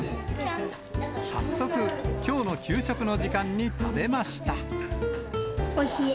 早速、きょうの給食の時間に食べおいしい。